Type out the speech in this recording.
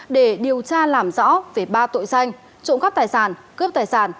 để điều tra làm rõ về ba tội danh trộm cắp tài sản cướp tài sản